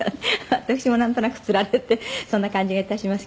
私もなんとなくつられてそんな感じが致しますけど」